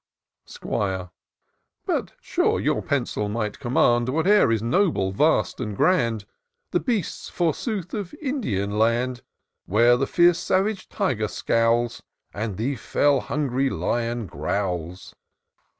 'Squire. " But sure your pencil might command Whate'er is noble, vast and grand, — The beasts, forsooth, of Indian land ; 158 TOUR OF DOCTOR SYNTAX Where the fierce, savage tyger scowls. And the fell, hungry lion growls."